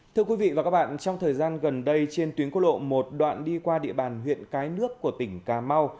thưa quý vị và các bạn trong thời gian gần đây trên tuyến quốc lộ một đoạn đi qua địa bàn huyện cái nước của tỉnh cà mau